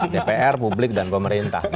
dpr publik dan pemerintah